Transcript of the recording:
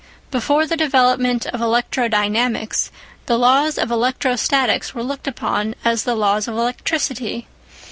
Before the development of electrodynamics the laws of electrostatics were looked upon as the laws of electricity.